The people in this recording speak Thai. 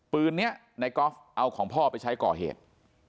ปืนนี้ในกอล์ฟเอาของพ่อไปใช้ก่อเหตุ